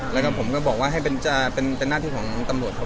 แล้วก็ผมก็บอกว่าให้เป็นหน้าที่ของตำรวจครับ